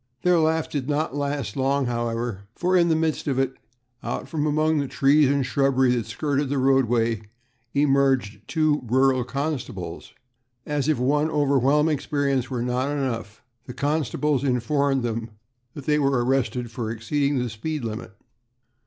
Their laugh did not last long, however, for in the midst of it, out from among the trees and shrubbery that skirted the roadway emerged two rural constables. As if one overwhelming experience were not enough, the constables informed them that they were arrested for exceeding the speed limit.